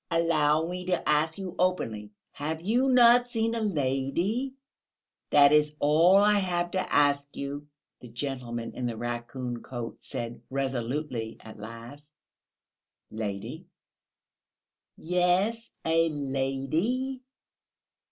"Allow me to ask you openly: have you not seen a lady? That is all that I have to ask you," the gentleman in the raccoon coat said resolutely at last. "Lady?" "Yes, a lady."